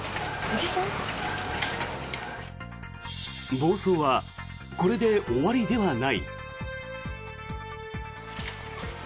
暴走はこれで終わりではない。